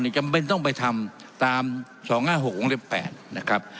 จำเป็นต้องไปทำตาม๒๕๖วงเล็บ๘นะครับ